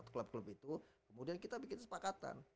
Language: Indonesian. klub klub itu kemudian kita bikin sepakatan